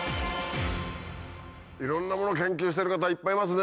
いろんなもの研究してる方いっぱいいますね。